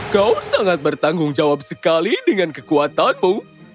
kau sangat bertanggung jawab sekali dengan kekuatanmu